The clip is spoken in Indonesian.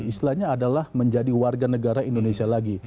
istilahnya adalah menjadi warga negara indonesia lagi